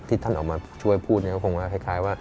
ท่านออกมาช่วยพูดก็คงคล้ายว่า